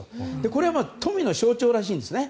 これは富の象徴らしいんですね。